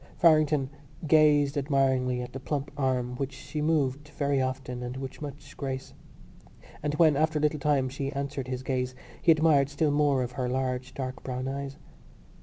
Farrington gazed admiringly at the plump arm which she moved very often and with much grace; and when, after a little time, she answered his gaze he admired still more her large dark brown eyes.